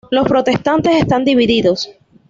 Los protestantes están divididos.